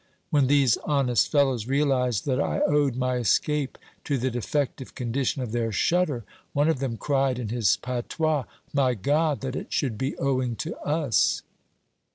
When these honest fellows realised that I owed my escape to the defective condition of their shutter, one of them cried in his patois :" My God, that it should be owing to us